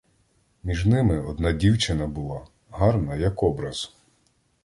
Між ними одна дівчина була, гарна, як образ.